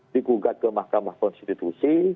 digugat ke mahkamah konstitusi